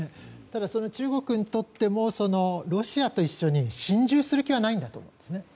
ただ、中国にとってもロシアと一緒に心中する気はないんだと思います。